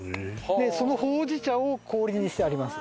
でそのほうじ茶を氷にしてあります。